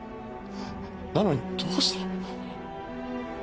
なのにどうして。